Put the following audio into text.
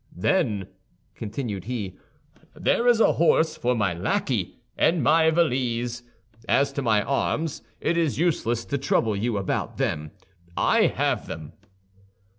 "Then," continued he, "there is a horse for my lackey, and my valise. As to my arms, it is useless to trouble you about them; I have them."